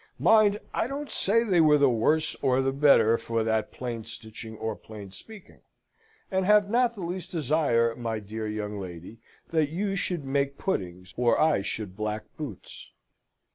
Mind, I don't say they were the worse or the better for that plain stitching or plain speaking: and have not the least desire, my dear young lady, that you should make puddings or I should black boots.